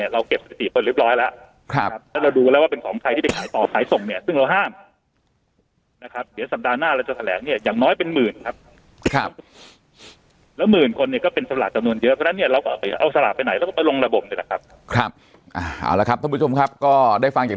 ระบบนะครับครับเอาละครับทุกผู้ชมครับก็ได้ฟังจาก